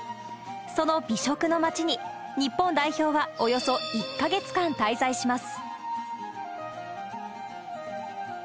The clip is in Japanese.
その美食の町に、日本代表はおよそ１か月間滞在します。